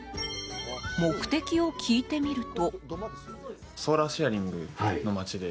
目的を聞いてみると。